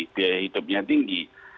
biaya hidupnya tinggi